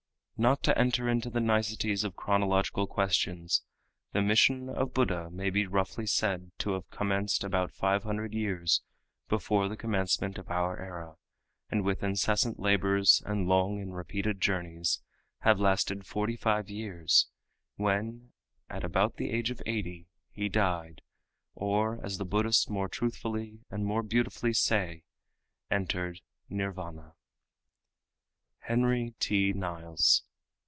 Not to enter into the niceties of chronological questions, the mission of Buddha may be roughly said to have commenced about five hundred years before the commencement of our era, and with incessant labors and long and repeated journeys to have lasted forty five years, when at about the age of eighty he died, or, as the Buddhists more truthfully and more beautifully say, entered Nirvana. HENRY T. NILES.